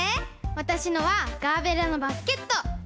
わたしのはガーベラのバスケット！